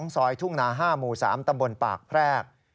ซอยทุ่งนา๕หมู่๓ตำบลปากแพรก